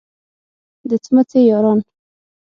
د څمڅې یاران.